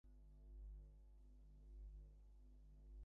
স্বয়ংক্রিয়-ধ্বংস বন্ধ করা হয়েছে।